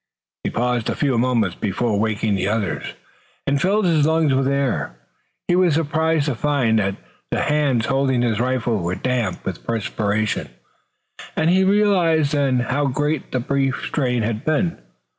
He paused a few moments before waking the others and filled his lungs with air. He was surprised to find that the hands holding his rifle were damp with perspiration, and he realized then how great the brief strain had been.